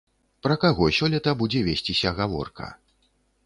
Пра каго сёлета будзе весціся гаворка?